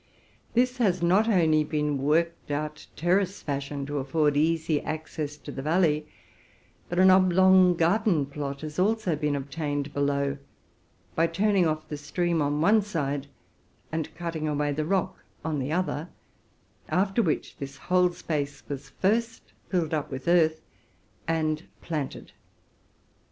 This has not only been worked out terrace fashion, to afford easy access to the valley, but an oblong garden plot has also been obtained below, by turning off the stream on one side, and cutting away the rock on the other, after which this whole space was lastly filled up w ith earth and planted.